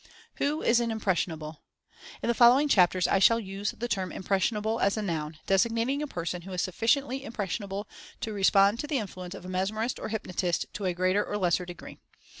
WHO IS AN "IMPRESSIONABLE"? In the following chapters I shall use the term "im pressionable" as a noun, designating a person who is sufficiently impressionable to respond to the influence of a mesmerist or hypnotist to a greater or lesser de gree.